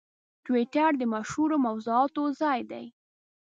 ټویټر د مشهورو موضوعاتو ځای دی.